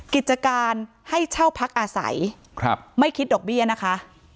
กิจการให้เช่าพักอาศัยไม่คิดดอกเบี้ยนะคะ